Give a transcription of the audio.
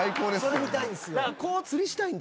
それ見たいんすよ。